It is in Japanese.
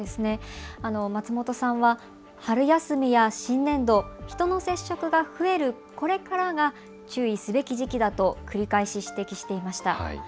松本さんは春休みや新年度、人の接触が増えるこれからが注意すべき時期だと繰り返し指摘していました。